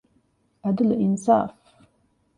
ޢަދުލު އިންޞާފު